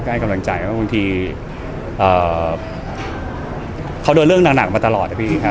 ให้กำลังใจเพราะบางทีเขาโดนเรื่องหนักมาตลอดนะพี่